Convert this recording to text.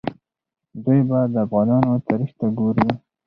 دوی به د افغانانو تاریخ ته ګوري.